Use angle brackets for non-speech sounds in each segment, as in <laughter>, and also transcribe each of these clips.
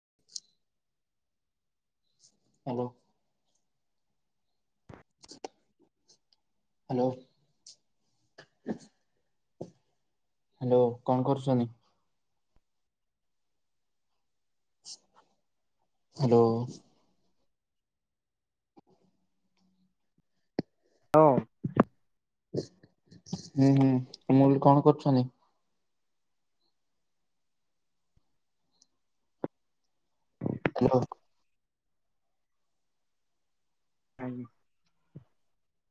<inaudible> Hello. Hello. Hello କଣ କରୁଛନ୍ତି? Hello. <unintelligible> ହୁଁ ହୁଁ ମୁଁ କହିଲି କଣ କରୁଛନ୍ତି? ହାଲୋ। <unintelligible>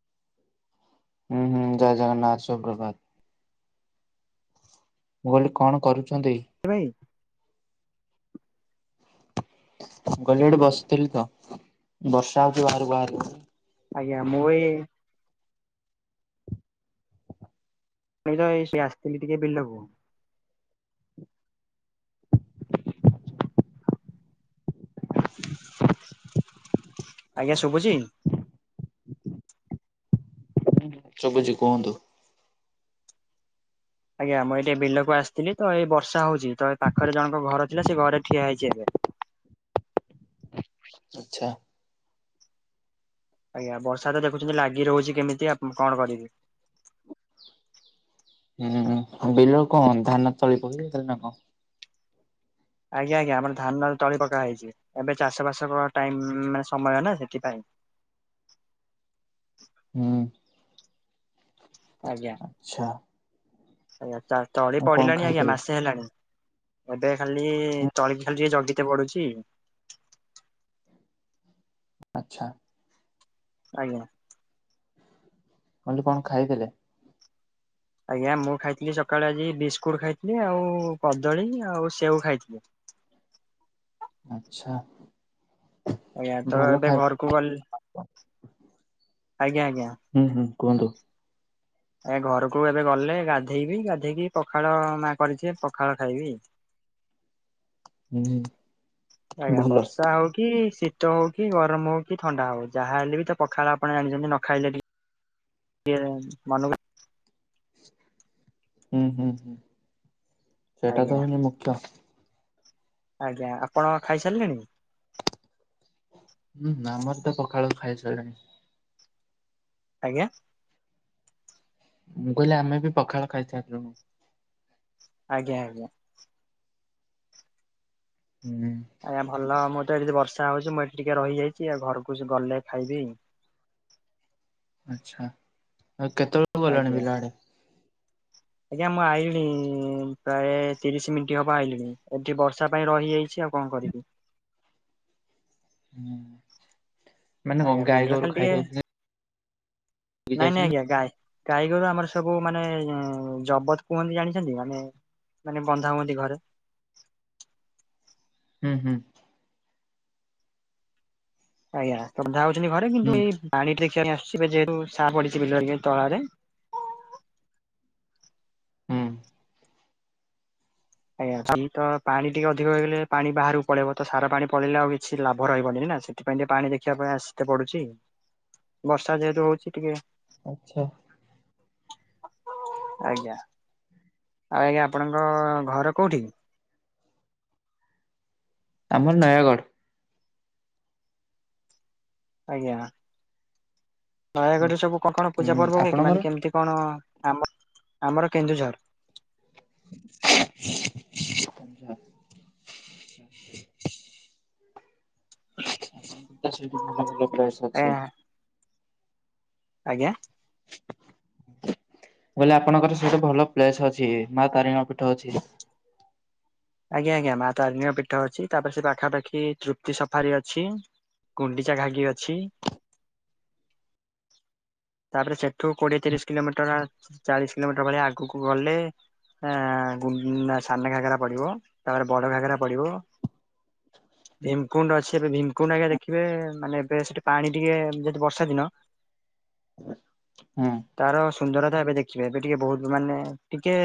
ହୁଁ ହୁଁ ଜୟ ଜଗନ୍ନାଥ ସୁୁପ୍ରଭାତ। ମୁଁ କହିଲି କଣ କରୁଛନ୍ତି? ଭାଇ ଗଲି ଗଡେ ବସିଥିଲି ତ ବର୍ଷା ହଉଛି ବାହାରକୁ ବାହାରି। ଆଜ୍ଞା ମୁଁ ଏଇ। ମୁ ତ ସେ ଆସିଥିଲି ଟିକେ ବିଲକୁ। <inaudible> <inaudible> ଆଜ୍ଞା ଶୁଭୁଚି? ସୁଭୂଚି କୁହନ୍ତୁ। ଆଜ୍ଞା ମୁଁ ଏଇଠି ବିଲକୁ ଆସିଥିଲି ତ ଏଇ ବର୍ଷା ହଉଛି ତ ଏ ପାଖରେ ଜଣଙ୍କ ଘର ଥିଲା ସେ ଘରେ ଠିଆ ହେଇଛି ଏବେ। ଆଚଛା <unintelligible> ଆଜ୍ଞା ବର୍ଷା ତ ଦେଖୁଛନ୍ତି ଲାଗି ରହୁଛି କେମିତି ଆ କଣ କରିବି। ହୁଁ ବିଲ କଣ ଧାନ ତଳି ପକେଇ ଦେଲେ ନା କଣ? ଆଜ୍ଞା ଆଜ୍ଞା ଆମର ଧାନ ତଳି ପକା ହେଇଛି ଏବେ ଚାଷ ବାସ ଟାଇ ମାନେ ସମୟ ନା ସେଥିପାଇଁ। ହୁଁ। ଆଜ୍ଞା। ଆଚ୍ଛା ଆଜ୍ଞା ତଳେ ଆଉ କଣ ପଡିଲାଣି ଆଜ୍ଞା ଖାଇଥିଲେ? ମାସେ ହେଲାଣି। ଏବେ ଖାଲି ହୁଁ ତଳକି ଖଲିିକ ଜଗିତେ ପଡୁଛି। ଆଛା। ଆଜ୍ଞା। ମୁ କହିଲି କଣ ଖାଇଥିଲେ। ଆଜ୍ଞା ମୁଁ ଖାଇଥିଲି ସକାଳେ ଆଜି ବିସ୍କୁଟ ଖାଇଥିଲି ଆଉ କଦଳୀ ଆଉ ସେଓ ଖାଇଥିଲି। ଆଚ୍ଛା। ଆଜ୍ଞା ତ ଭଲ ଏବେ ଖାଇବା ଘରକୁ ଗଲେ ଆଜ୍ଞା ଆଜ୍ଞା। ହୁଁ ହୁଁ କୁହନ୍ତୁ। ଏ ଘରକୁ ଏବେ ଗଲେ ଗାଧେଇବି ଗାଧେଇକି ପଖାଳ ମା କରିଛି ପଖାଳ ଖାଇବି। ହୁଁ ହୁଁ। ଆଜ୍ଞା ବର୍ଷା ହଉ କି ଶୀତ ଶୀତ ହଉ କି ଗରମ ହଉ କି ଥଣ୍ଡା ହଉ ଯାହାହଲେ ବି ତ ପଖାଳ ଆପଣ ଜାଣିଛନ୍ତି ନ ଖାଇଲେ ଟିକେ କିଏ ମନକୁ ଲା ହୁଁ ହୁଁ ହୁଁ ସେଟା ଆଜ୍ଞା ତ ହଉନି ମୁଖ୍ୟ। ଆଜ୍ଞା ଆପଣ ଖାଇସାରିଲେଣି। ହୁଁ ଆମର ତ ପଖାଳୁ ଖାଇ ସାରିଲୁଣି। ଆଜ୍ଞା। ମୁଁ କହିଲି ଆମେ ବି ପଖାଳ ଖାଇଥିଲୁ। ଆଜ୍ଞା ଆଜ୍ଞା। ହୁଁ ଆଜ୍ଞା ଭଲ ମୁଁ ତ ଏଠି ବର୍ଷା ହଉଛି ମୁଁ ଏଠି ଟିକେ ରହିଯାଇଛି ଆଉ ଘରକୁ ଗଲେ ଖାଇବି। ଆଛା ଆଉ କେତେବେଳକୁ ଗଲେଣି ଆଜ୍ଞା ପିଲା ଆଡ଼େ। ଆଜ୍ଞା ମୁଁ ଆଇଣି ପ୍ରାୟ ତିରିଶ ମିନିଟ୍ ହବ ଆଇଲିଣି ଏଠି ବର୍ଷା ପାଇଁ ରହିଯାଇଛି। ଆଉ କଣ କରିବି? ହଁ ମାନେ ଆଜ୍ଞା କଣ ଗାଈ ବିଲରେ ଖାଲି ଗୋରୁ ଖାଇ ଟିକେ ଦଉଛନ୍ତି। ନାଇଁ ନାଇଁ ଯାଇଛନ୍ତି ଆଜ୍ଞା ଗାଏ। ଗାଈଗୋରୁ ଆମର ସବୁ ମାନେ ଜବତ କୁହନ୍ତି ଜାଣିଛନ୍ତି ମାନେ। ମାନେ ବନ୍ଧା ବନ୍ଧି ଘରେ। <inaudible> <inaudible> ହୁଁ ହୁଁ। ଆଜ୍ଞା ତବ ଯା ହାଉଛନ୍ତି ଘରେ କିନ୍ତୁ ହୁଁ ଏଇ ପାଣି ଟ୍ରେ ଆସି ଯେହେତୁ ସା ପଡିଛି ବିଲ ତଳାରେ ହୁଁ। ଆଜ୍ଞା ଆମ ତ ପାଣି ଟିକେ ଅଧିକ ହେଇଗଲେ ପାଣି ବାହାରକୁ ପଳେଇବ ତ ସାରା ପାଣି ପଳେଇଲେ ଆଉ କିଛି ଲାଭ ରହିବନି। ସେଥିପାଇଁ ଟିକେ ପାଣି ଦେଖିବା ପାଇଁ ଆସିେ ପଡୁଛି ବର୍ଷା ଯେହେତୁ ହଉଛି ଟିକେ। ଆଛା। ଆଜ୍ଞା ଆଉ ଆଜ୍ଞା ଆପଣଙ୍କ ଘର କୋଉଠି। ଆମର ନୟାଗଡ଼। ଆଜ୍ଞା। ନୟାଗଡରେ ସବୁ କଣ କଣ ପୂଜା ହୁଁ ପର୍ବ ହୁଏ କି ଆପଣଙ୍କର? ମାନେ କେମିତି କଣ? ଆମର ଆମର କେନ୍ଦୁଝର। ପଞ୍ଜାବ। ସେଇଠି ଭଲ ଭଲ ପ୍ଲେସ ଅଛି। ଆଜ୍ଞା। ବୋଇଲେ ଆପଣଙ୍କର ସେଇଠୁ ଭଲ ପ୍ଲେସ ଅଛି ମା ତାରିଣୀ ଙ୍କ ପୀଠ ଅଛି। ଆଜ୍ଞା ଆଜ୍ଞା ମା ତାରିଣୀଙ୍କ ପୀଠ ଅଛି ତାପରେ ସେ ପାଖାପାଖି ତୃପ୍ତି ସଫାରି ଅଛି। କୁଣ୍ଡିଚା ଘାଗି ଅଛି। ତାପରେ ସେଠୁ କୋଡ଼ିଏ ତିରିଶ କିଲୋମିଟର ଚାଳିଶ କିଲୋମିଟର ଭଳିଆ ଆଗକୁ ଗଲେ ଆ ଗୁ ସାନ ଘାଗରା ପଡ଼ିବ ତାପରେ ବଡ ଘାଗରା ପଡ଼ିବ। ଭୀମକୁଣ୍ଡ ଅଛି ଏବେ ଭୀମକୁଣ୍ଡ ଆଜ୍ଞା ଦେଖିବେ ମାନେ ଏବେ ସେଠି ପାଣି ଟିକେ ଯେହେତୁ ବର୍ଷା ଦିନ। ହୁଁ। ତାର ସୁନ୍ଦରତା ଏବେ ଦେଖିବେ ଏବେ ଟିକେ ବହୁତ ମାନେ ଟିକେ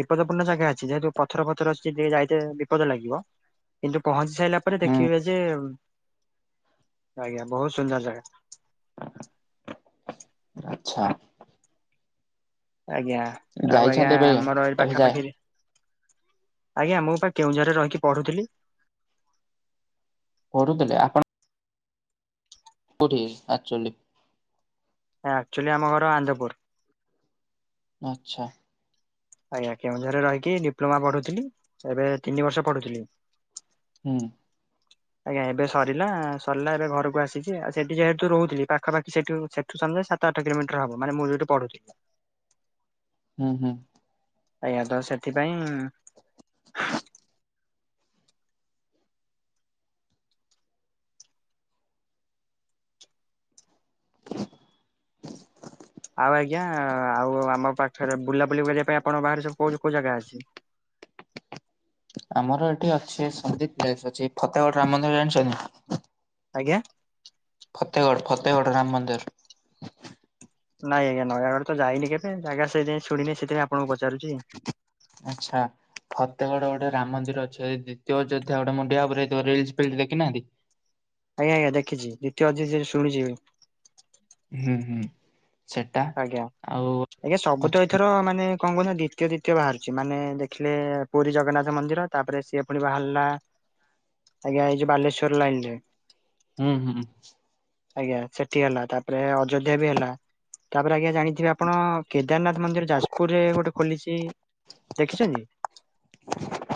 ବିପଦପୂର୍ଣ୍ଣ ଜାଗା ଅଛି ଯେହେତୁ ପ ଥର ଫଥର ଅ ଟିକେ ଯାଇତେ ବିପଦ ଲାଗିବ କିନ୍ତୁ ପହଞ୍ଚି ସାରିଲା ପରେ ହୁଁ। ଦେଖିବେ ଯେ ଆଜ୍ଞା ବହୁତ ସୁନ୍ଦର ଜାଗା। ଆଛା। ଆଜ୍ଞା ଆଉ ଆଜ୍ଞା ଯାଇଛନ୍ତି ଏବେ ଆମର ଏ ଏବେ ଯାଏ ପାଖାପାଖିରେ ଆଜ୍ଞା ମୁଁ ପା କେଉଁଝର ରେ ରହିକି ପଢ଼ୁଥିଲି। ପଢ଼ୁଥିଲେ ଆପଣ। କୋଉଁଠି ଆକଚେଲି? ଆକୁଚେଲି ଆମ ଘର ଆନନ୍ଦପୁର। ଆଛା। ଆଜ୍ଞା କେଉଁଝରରେ ରହିକି ଡିପ୍ଲୋମା ପଢୁଥିଲି ଏବେ ତିନି ବର୍ଷ ପଢ଼ୁଥିଲି। ହୁଁ। ଆଜ୍ଞା ଏବେ ସରିଲା ସରିଲା ଏବେ ଘରକୁ ଆସିଛି ଆଉ ସେଠି ଯେହେତୁ ରହୁଥିଲି ପାଖ ପାଖାପାଖି ସେଠୁ ସେଠୁ ସମ ଦାଇ ସାତ ଆଠ କିଲୋମିଟର ହବ ମାନେ ମୁଁ ଯୋଠି ପଢ଼ୁଥିଲି। ହୁଁ ହୁଁ। ଆଜ୍ଞା ତ ସେଥିପାଇଁ ଆଉ ଆଜ୍ଞା ଆଉ ଆମ ପାଖରେ ବୁଲାବୁଲି କରିବା ପାଇଁ ଆପଣଙ୍କ ବାହାରେ ସବୁ କୋଉଁ କୋଉଁ ଜାଗା ଅଛି? ଆମର ଏଠି ଅଛି ସନ୍ଦୀପ ପ୍ଲେସ ଅଛି ଫତେଗଡ଼ ରାମ ମନ୍ଦିର ଜାଣିଛନ୍ତି? ଆଜ୍ଞା। ଫତେଗଡ଼ ଫତେଗଡ଼ ରାମ ମନ୍ଦିର। ନାଇଁ ଆଜ୍ଞା ନୟାଗଡ଼ ତ ଯାଇନି କେବେ ଜାଗା ସେଇ ଯାଇଁ ଶୁଣିନି ସେଥିପାଇଁ ଆପଣଙ୍କୁ ପ ଆଛା ଫ ତେଗଡ଼ ଗୋଟେ ରାମ ମନ୍ଦିର ଅଛି ଦ୍ୱିତୀୟ ଅଯୋଧ୍ୟା ଗୋଟେ ମୁଣ୍ଡିଆ ଉପରେ ରିଲସ ଫିଲସ ଦେଖିନାହାନ୍ତି। ଆଜ୍ଞା ଆଜ୍ଞା ଦେଖିଛି ଦ୍ଵିତୀୟ ଅଯୋଧ୍ୟା ଶୁଣିଛି। ହୁଁ ହୁଁ। ସେଟା ଆଜ୍ଞା ଆଉ ଆଜ୍ଞା ସବୁ ଅଛି ତ ଏଥର ମାନେ କଣ କହୁଛନ୍ତି? ଦ୍ଵିତୀୟ ଦ୍ଵିତୀୟ ବାହାରୁଛି ମାନେ ଦେଖିଲେ ପୁରୀ ଜଗନ୍ନାଥ ମନ୍ଦିର ତାପରେ ସିଏ ପୁଣି ବାହାରିଲା ଆଜ୍ଞା ଏଇଯୋଉଁ ବାଲେଶ୍ଵର ଲାଇନ ରେ ହୁଁ ହୁଁ। ଆଜ୍ଞା ସେଠି ହେଲା ତାପରେ ଅଯୋଧ୍ୟା ବି ହେଲା ତାପରେ ଆଜ୍ଞା ଜାଣିଥିବେ ଆପଣ କେ ଦାରନାଥ ମନ୍ଦିର ଯାଜପୁରରେ ଗୋଟେ ଖୋଲିଛି ଦେଖିଛନ୍ତି?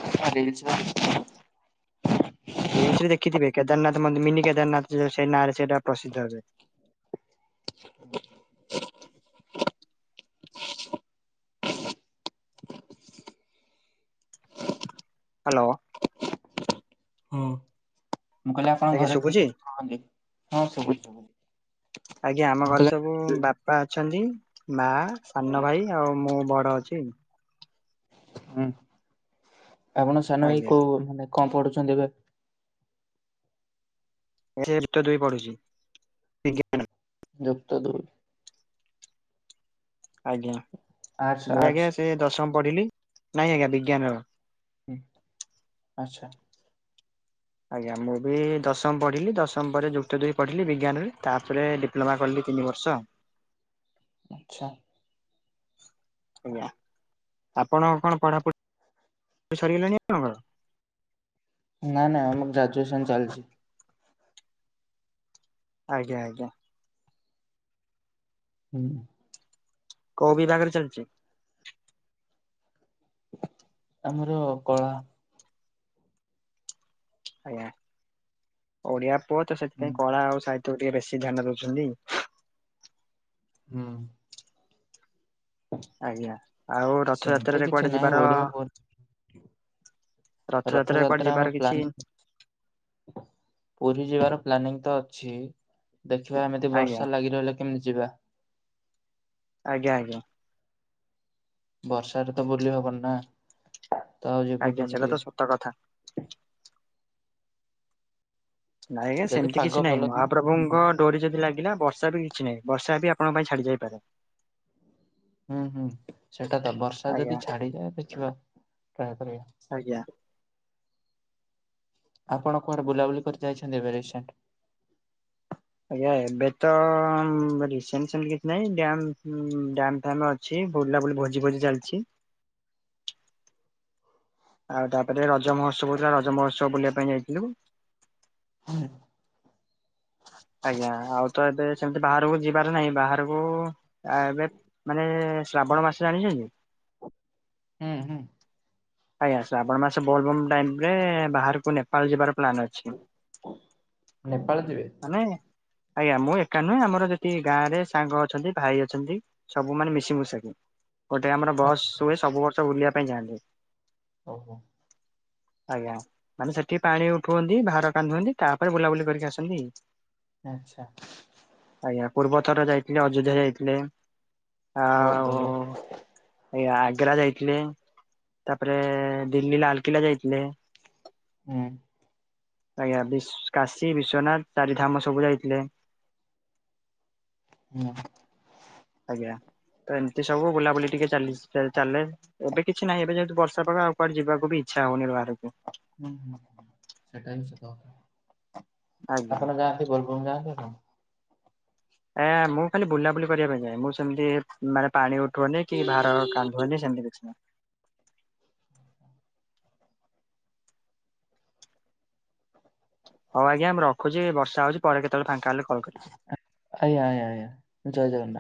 ରିଲସ ରେ ଦେଖିଛି। ସେ ସେଠି ଦେଖିଥିବେ କେଦାରନାଥ ମଧ୍ୟ ମିନି କେଦାରନାଥ ସେ ନାଁ ରେ ସେଇଟା ପ୍ରସିଦ୍ଧ ହେ <inaudible> ହ୍ୟାଲୋ! ହୁଁ ମୁଁ କହିଲି ଆପଣଙ୍କ ଆଜ୍ଞା ଘରେ କେ ଶୁଭୁଛି କି କୁହନ୍ତି ହଁ ସବୁୁ ଆଜ୍ଞା ଆମ ଘରେ ସବୁ ବାପା ଅଛନ୍ତି। ମା ସାନ ଭାଇ ଆଉ ମୁଁ ବଡ ଅଛି ହୁଁ ଆପଣ ସାନ ଭାଇ ଆଜ୍ଞା କୋଉ ମାନେ କଣ ପଢୁଛନ୍ତି ଏବେ? ଏ ତ ଦୁଇ ପଢୁଛି ବିଜ୍ଞାନ ଯପତ ଦୁର ଆଜ୍ଞା ଆର୍ଟସ୍ ମୁଁ ଆର୍ଟସ୍ ଆଜ୍ଞା ସେ ଦଶମ ପଢିଲି ନାଇଁ ଆଜ୍ଞା ବିଜ୍ଞାନର ହୁଁ ଆଚ୍ଛା। ଆଜ୍ଞା ମୁଁ ବି ଦଶମ ପଢିଲି ଦଶମ ପରେ ଯୁକ୍ତ ଦୁଇ ପଢ଼ିଲି, ବିଜ୍ଞାନରେ ତାପରେ ଡିପ୍ଲୋମା କଲି ଦଇ ତିନି ବର୍ଷ ଆଚ୍ଛା। ଆଜ୍ଞା ଆପଣ କଣ ପଢାପଢି ତ ଶାରିଗଲା ନେଇ ଆଣଙ୍କ ନା ନାଇଁ ଆମର ଗ୍ରାଜୁଏସନ ଚାଲିଛି ଆଜ୍ଞା ଆଜ୍ଞା। ହୁଁ। କୋଉ ବିଭାଗରେ ଚାଲିଛି ଆମର କଳା ଆଜ୍ଞା ଓଡିଆ ପୁଅ ତ ହୁଁ। ସେଥିପାଇଁ କଳା ଆଉ ତ ଟିକେ ବେଶୀ ଧ୍ୟାନ ଦଉଛନ୍ତି। ହଁ। ଆଜ୍ଞା ଆଉ ସେମିତି ରଥଯାତ୍ରାରେ କିଛି କୁଆଡେ ନାହିଁ ଯିବାର ଓଡିଆ ପୁରୀ ରଥଯାତ୍ରାରେ କୁଆଡେ ରଥଯାତ୍ରା ଯିବାର ଆମ କିଛି ପ୍ଲାନ ପୁରୀ ଯିବାର ପ୍ଲାନିଂ ତ ଅଛି ଦେଖିବା ଏମିତି ଆଜ୍ଞା ବର୍ଷା ଲାଗି ରହିଲେ କେମିତି ଯିବା ଆଜ୍ଞା ଆଜ୍ଞା। ବର୍ଷାରେ ତ ବୁଲି ହବନି ନା? ତା ଆଉ ଯିବୁ ଆଜ୍ଞା ସେଇଟା କେମିତି? ତ ସତ କଥା। ନାଇଁ୍ଞା ଯଦି ସେମିତି ପାଗ କିଛି ଭଲ ନାହିଁ ଦେଇଛି ଯିବୁ ମହାପ୍ରଭୁଙ୍କ ଡୋରି ଯଦି ଲାଗିଲା ବର୍ଷା ବି କିଛି ନାହିଁ, ବର୍ଷା ବି ଆପଣଙ୍କ ପାଇଁ ଛାଡି ଯାଇପାରେ ହୁଁ ହୁଁ ସେଟା ତ ବର୍ଷା ଆଜ୍ଞା ଯଦି ଛାଡିଯାଏ ଦେଖିବା ପ୍ରାୟ ପ୍ର <inaudible> ଆଜ୍ଞା ଆପଣ କୁଆଡେ ବୁଲାବୁଲି କରି ଯାଇଛନ୍ତି ଏବେସ ଆଜ୍ଞା ଏବେ ତ କିଛିଁ ଅଛି ବୁଲା ବୁଲି ଭୋଜି ଭୋଜି ଚାଲିଛି <inaudible> ଆଉ ତାପରେ ରଜ ମହୋତ୍ସବ ହଉଥିଲା ରଜ ମହୋତ୍ସବ ବୁଲିବା ପାଇଁ ଯାଇଥିଲୁ। ହୁଁ। ଆଜ୍ଞା ଆଉ ତ ଏବେ ସେମତି ବାହାରକୁ ଯିବାର ନାହିଁ ବାହାରକୁ ଆ ଏବେ ମାନେ ଶ୍ରାବଣ ମାସ ଜାଣିଛନ୍ତି କି? ହୁଁ ହୁଁ। ଆଜ୍ଞାସ ଆପଣମାନେ ବଲବମ୍ ଟାଇମ ରେ ବାହାରକୁ ନେପାଳ ଯିବାର ପ୍ଲାନ୍ ଅଛି ନେପାଳ ଯିବେ ମାନେ ଆଜ୍ଞା ମୁଁ ଏକା ନୁହେଁ ଆମର ଯଠି ଗାଁ ରେ ସାଙ୍ଗ ଅଛନ୍ତି ଭାଇ ଅଛନ୍ତି, ସବୁମାନେ ମିଶିମଶାକୁ- ଗୋଟେ ଆମର ବସ୍ ହୁଏ, ସବୁ ବର୍ଷ ବୁଲିବା ପାଇଁ ଯାଆନ୍ତି। ଓହୋ। ଆଜ୍ଞା ମାନେ ସେଠି ପାଣି ଉଠୁନ୍ତି ବାହାର କାନ୍ଦୁଅନ୍ତି, ତାପରେ ବୁଲାବୁଲି କରିକି ଆସନ୍ତି। ଆଛା। ଆଜ୍ଞା ପୂର୍ବ ଥର ଯାଇଥିଲେ ଅଯୋଧ୍ୟା ଯାଇଥିଲେ ବହୁତ ଭଲ ଆଉ ଆଗ୍ରା ଯାଇଥିଲେ ତାପରେ ଦିଲ୍ଲୀ ଲାଲକିଲ୍ଲା ଯାଇଥିଲେ। ହୁଁ। ଆଜ୍ଞା ବି କାଶୀ ବିଶ୍ଵନାଥ ଚାରିଧାମ ସବୁ ଯାଇଥିଲେ। ହୁଁ। ଆଜ୍ଞା। ତ ଏମିତି ସବୁ ବୁଲାବୁଲି ଟିକେ ଚାଲି ଚାଲେ ଏବେ କିଛି ନାହିଁ ଏବେ ଯେହେତୁ ବର୍ଷା ପାଗ ଆଉ କୁଆଡ ଯିବାକୁ ବି ଇଛା ହଉନି ଆଉ <unintelligible> ହୁ ହୁଁ ସେଟା ବି ସତ କଥା। ଆଜ୍ଞା। ଆପଣ ଯାଆନ୍ତି ବୋଲବମ ଯାଆନ୍ତି ଆପଣ? ଏ ମୁଁ ଖାଲି ବୁଲାବୁଲି କରିବା ପାଇଁ ଯାଏ। ମୁଁ ସେମିତି ମାନେ ପାଣି ଉ ଠଉନି କି ଭାର କାନ୍ଧଉନି ସମିତି କିଛି ନାହିଁ। ହଉ ଆଜ୍ଞା ମୁଁ ରଖୁଛି ବର୍ଷା ହଉଛି ପରେ କେତେବେଳେ ଫାଙ୍କା ହେଲେ କଲ କରିବି। ଆଜ୍ଞା ଆଜ୍ଞା ଜୟ ଜଗନ୍ନାଥ।